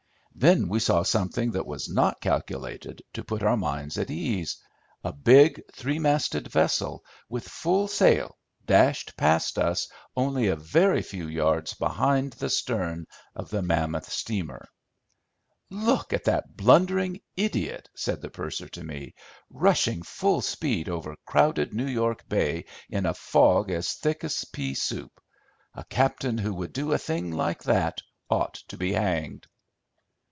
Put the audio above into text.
Then we saw something that was not calculated to put our minds at ease. A big three masted vessel, with full sail, dashed past us only a very few yards behind the stern of the mammoth steamer. "Look at that blundering idiot," said the purser to me, "rushing full speed over crowded New York Bay in a fog as thick as pea soup. A captain who would do a thing like that ought to be hanged."